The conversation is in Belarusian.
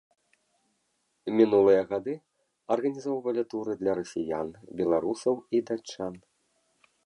Мінулыя гады арганізоўвалі туры для расіян, беларусаў і датчан.